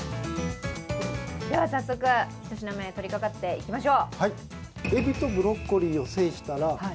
では早速１品目、とりかかっていきましょう。